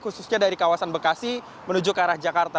khususnya dari kawasan bekasi menuju ke arah jakarta